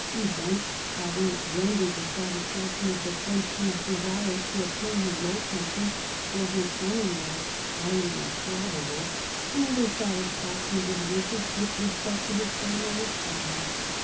Events having rendered the satisfaction of the French king's desire to obtain the Low Countries for his son in law highly improbable, another satisfaction of his wishes with respect to his family was found.